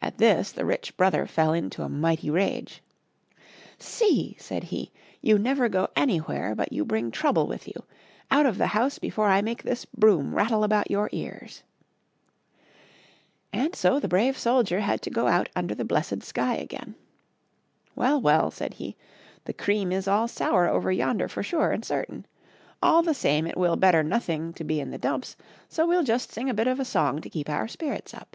At this the rich brother fell into a mighty rage. " See ! said he, " you never go anywhere but you bring Trouble with you. Out of the house be fore I make this broom rattle about your ears ! And so the brave soldier had to go out under the blessed sky again. " Well 1 well !" said he, " the cream is all sour over yonder for sure and cer tain ! All the same it will better nothing to be in the dumps, so we'll just sing a bit of a song to keep our spirits up."